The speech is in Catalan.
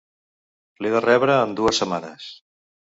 L'he de rebre en dues setmanes.